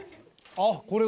ああこれが。